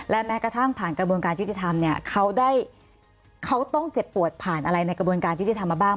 และแม้กระทั่งผ่านกระบวนการยุติธรรมเนี่ยเขาได้เขาต้องเจ็บปวดผ่านอะไรในกระบวนการยุติธรรมมาบ้าง